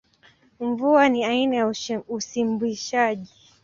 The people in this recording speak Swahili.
Mvua ni aina ya usimbishaji.